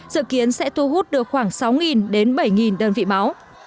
dự kiến sẽ thu hút được khoảng sáu đến bảy đơn vị máu